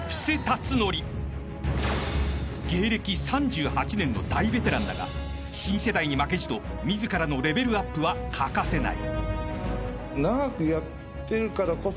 ［芸歴３８年の大ベテランだが新世代に負けじと自らのレベルアップは欠かせない］